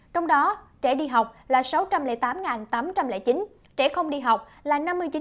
trong đó trẻ đi học là sáu trăm linh tám tám trăm linh chín trẻ không đi học là năm mươi chín sáu trăm sáu mươi bốn